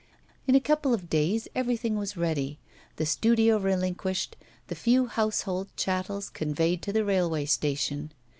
In a couple of days everything was ready, the studio relinquished, the few household chattels conveyed to the railway station.